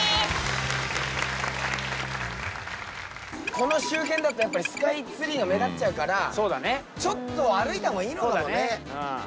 この周辺だとやっぱりスカイツリーが目立っちゃうからちょっと歩いた方がいいのかもね。